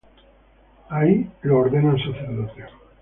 Ahí es ordenado sacerdote.